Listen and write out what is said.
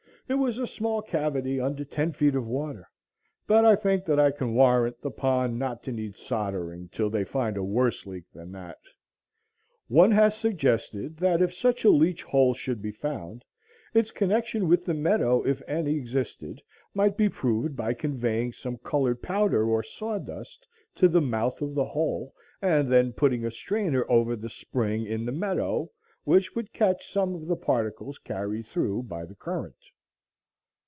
It was a small cavity under ten feet of water; but I think that I can warrant the pond not to need soldering till they find a worse leak than that. One has suggested, that if such a "leach hole" should be found, its connection with the meadow, if any existed, might be proved by conveying some colored powder or sawdust to the mouth of the hole, and then putting a strainer over the spring in the meadow, which would catch some of the particles carried through by the current.